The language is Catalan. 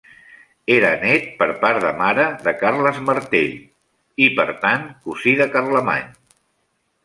Era nét per part de mare de Carles Martell i per tant, cosí de Carlemany.